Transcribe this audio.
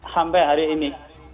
sampai hari ini